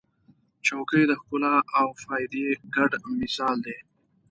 چوکۍ د ښکلا او فایده ګډ مثال دی.